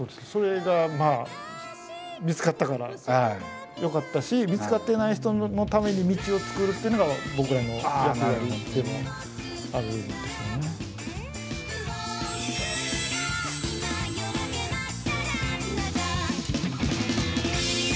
それが見つかったからよかったし見つかっていない人のために道をつくるっていうのが僕らの役割でもあるんですよね。